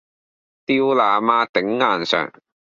掉哪媽！頂硬上！